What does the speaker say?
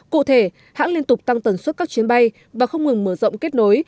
cụ thể hãng liên tục tăng tần suất các chuyến bay và không ngừng mở rộng kết nối